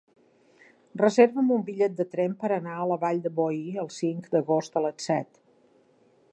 Reserva'm un bitllet de tren per anar a la Vall de Boí el cinc d'agost a les set.